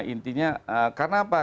intinya karena apa